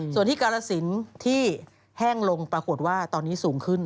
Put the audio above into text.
ส่วนที่กาลสินที่แห้งลงปรากฏว่าตอนนี้สูงขึ้น